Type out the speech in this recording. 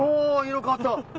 色変わった。